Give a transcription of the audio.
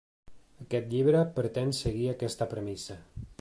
Aquest llibre pretén seguir aquesta premissa.